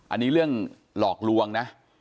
อันนี้เรื่องหลอกลวงนะ